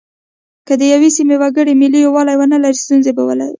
که د یوې سیمې وګړي ملي یووالی ونه لري ستونزه به وي.